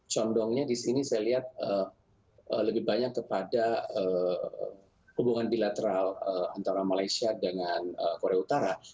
condongnya di sini saya lihat lebih banyak kepada hubungan bilateral antara malaysia dengan korea utara